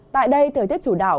tại đây thời tiết chủ đạo